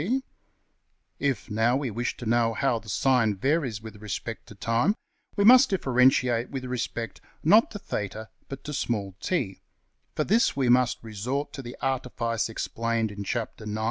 \] If, now, we wish to know how the sine varies with respect to time, we must differentiate with respect, not to~$\theta$, but to~$t$. For this we must resort to the artifice explained in Chapter~IX.